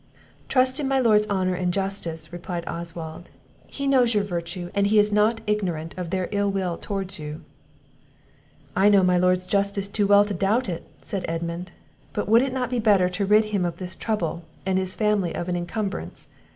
"Trust in my lord's honour and justice," replied Oswald; "he knows your virtue, and he is not ignorant of their ill will towards you." "I know my lord's justice too well to doubt it," said Edmund; "but would it not be better to rid him of this trouble, and his family of an incumbrance?